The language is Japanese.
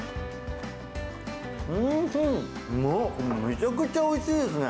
おいしい、めちゃくちゃおいしいですね。